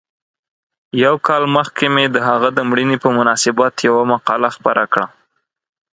یو کال مخکې مې د هغه د مړینې په مناسبت یوه مقاله خپره کړه.